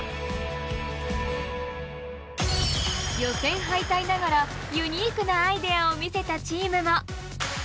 予選敗退ながらユニークなアイデアを見せたチームも！